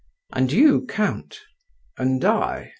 And you, Count?…" "And I?"